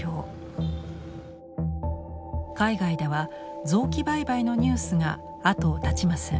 海外では臓器売買のニュースが後を絶ちません。